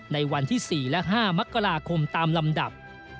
ในวันที่๔และ๕มกราคมตามลำดับ